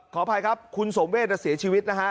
ขออภัยครับคุณสมเวทเสียชีวิตนะฮะ